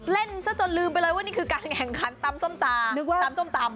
เล่นซะจนลืมไปเลยว่านี่คือการแข่งขันตำส้มตำส้มตำ